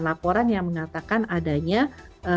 laporan yang mengatakan ada yang tidak ada